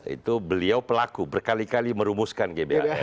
itu beliau pelaku berkali kali merumuskan gbhn